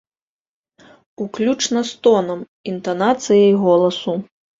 Уключна з тонам, інтанацыяй голасу.